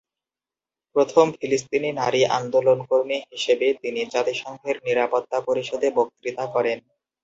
প্রথম ফিলিস্তিনি নারী আন্দোলনকর্মী হিসেবে তিনি জাতিসংঘের নিরাপত্তা পরিষদে বক্তৃতা করেন।